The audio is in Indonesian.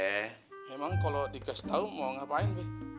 emang kalo dikasih tau mau ngapain be